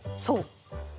そう。